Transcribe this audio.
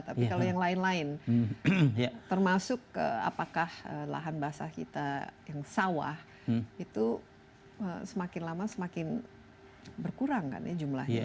tapi kalau yang lain lain termasuk apakah lahan basah kita yang sawah itu semakin lama semakin berkurang kan ya jumlahnya